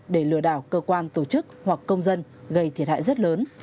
để lừa đảo cơ quan tổ chức hoặc công dân gây thiệt hại rất lớn